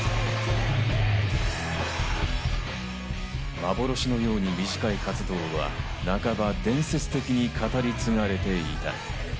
幻のように短い活動は、半ば、伝説的に語り継がれていた。